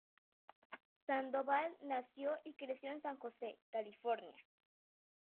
Sandoval nació y creció en San Jose, California.